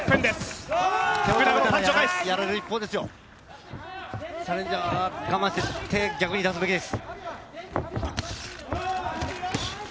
チャレンジャーは我慢して、手逆に出すべきです。